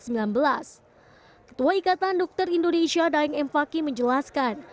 ketua ikatan dokter indonesia daeng m fakih menjelaskan